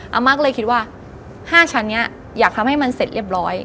อาม่าก็เลยคิดว่า๕ชั้นนี้อยากทำให้มันเสร็จเรียบร้อย